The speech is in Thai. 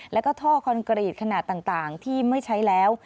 แล้วก็ท่อคอนกรีตขนาดต่างที่ไม่ใช้แล้ว